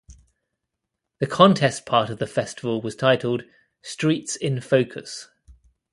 The contest part of the festival was titled "Streets in Focus".